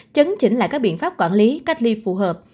chấn chỉnh lại các biện pháp quản lý cách ly phù hợp